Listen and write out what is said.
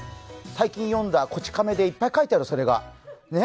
最近読んだ「こち亀」でいっぱい書いてある。ね、